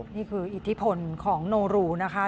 นี่คืออิทธิผลของโนรูนะคะ